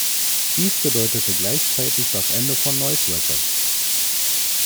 Dies bedeutete gleichzeitig das Ende von Noise Records.